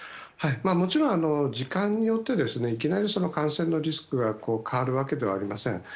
もちろん時間によっていきなり感染のリスクが変わるわけではありません。